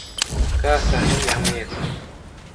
kas ar c'hi er-maez.